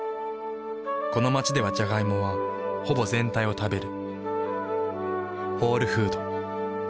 この街ではジャガイモはほぼ全体を食べる。